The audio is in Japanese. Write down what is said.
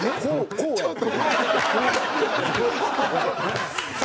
こうやって。